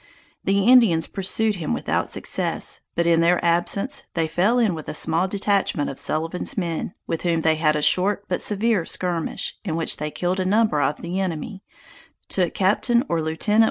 The Indians pursued him without success; but in their absence they fell in with a small detachment of Sullivan's men, with whom they had a short but severe skirmish, in which they killed a number of the enemy, took Capt. or Lieut.